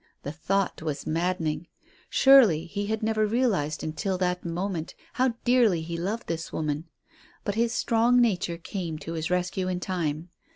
The thought was maddening. Surely he had never realized until that moment how dearly he loved this woman. But his strong nature came to his rescue in time.